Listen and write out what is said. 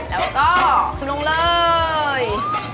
แล้วก็ลงลงเลย